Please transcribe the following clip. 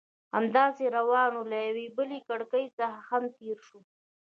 همداسې روان وو، له یوې بلې کړکۍ څخه هم تېر شوو.